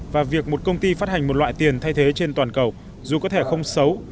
và việc một công ty phát hành một loại tiền thay thế trên toàn cầu dù có thể không xấu